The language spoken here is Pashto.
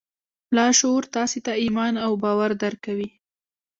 لاشعور تاسې ته ایمان او باور درکوي